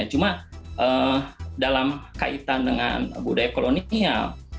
cuma dalam kaitan dengan budaya kolonial